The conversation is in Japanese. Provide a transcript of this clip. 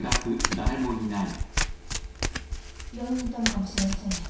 病院に行ったのかもしれませんね。